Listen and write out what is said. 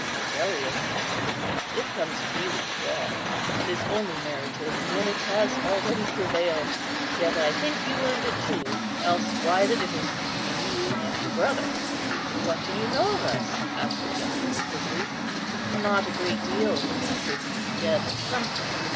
"Agellius," said the priest, "it comes freely to all; and is only merited when it has already prevailed. Yet I think you earned it too, else why the difference between you and your brother?" "What do you know of us?" asked Agellius quickly. "Not a great deal," answered he, "yet something.